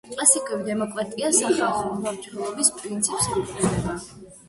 კლასიკური დემოკრატია სახალხო მმართველობის პრინციპს ეფუძნება.